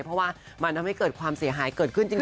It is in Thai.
เพราะว่ามันทำให้เกิดความเสียหายเกิดขึ้นจริง